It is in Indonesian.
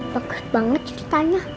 bagus banget ceritanya